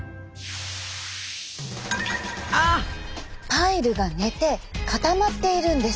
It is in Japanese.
パイルが寝て固まっているんです！